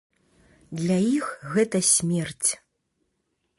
Для іх гэта смерць.